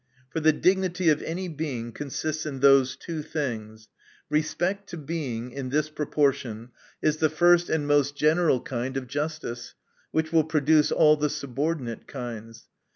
For the dignity of any Being consists in those two things Respect to Being, in this proportion, is the first and most general kind of justice ; which will produce all the subordinate kinds.